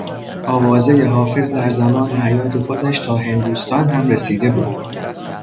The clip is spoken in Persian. آوازهی حافظ در زمان حیات خودش تا هندوستان هم رسیده بود.